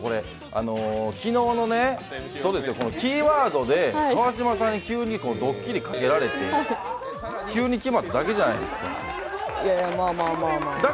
昨日のね、キーワードで川島さんに急にドッキリかけられて、急に決まっただけじゃないですか。